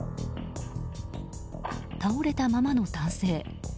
倒れたままの男性。